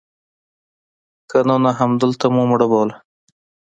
که نه نو همدلته مو مړه بوله.